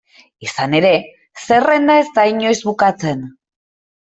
Izan ere, zerrenda ez da inoiz bukatzen.